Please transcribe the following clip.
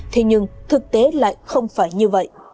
thế nhưng thực tế lại không phải như vậy